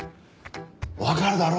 わかるだろ？